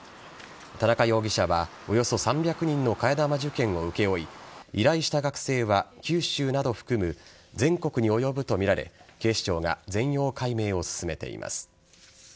田中容疑者はおよそ３００人の替え玉受験を請け負い依頼した学生は九州などを含む全国に及ぶとみられ警視庁が全容解明を進めています。